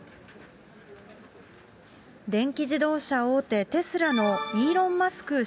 電気自動車大手、テスラのイーロン・マスク